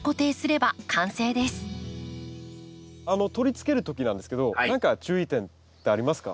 取り付ける時なんですけど何か注意点ってありますか？